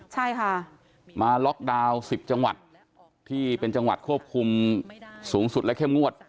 ใช่ค่ะมาล็อกดาวน์๑๐จังหวัดที่เป็นจังหวัดควบคุมสูงสุดและเข้มงวด